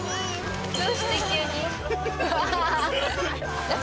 どうして急に？